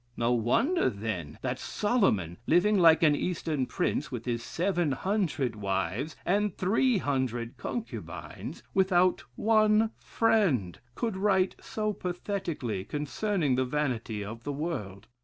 No wonder then that Solomon, living like an Eastern prince, with his seven hundred wives, and three hundred concubines, without one friend, could write so pathetically concerning the vanity of the world.